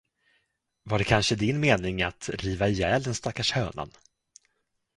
Var det kanske din mening att riva ihjäl den stackars hönan?